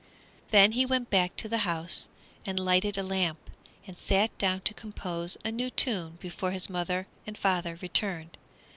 Then he went back to the house and lighted a lamp, and sat down to compose a new tune before his father and mother returned.